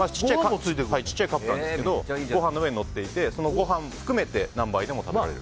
小さいカップなんですがご飯の上にのっていてそのご飯含めて何杯でも食べられる。